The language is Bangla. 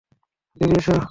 বেবি, এসো।